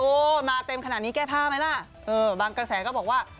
มาเต็มขนาดนี้แก้ผ้าไหมล่ะเออบางกระแสก็บอกว่า